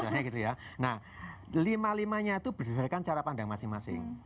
nah lima limanya itu berdasarkan cara pandang masing masing